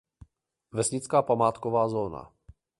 Vesnická památková zóna.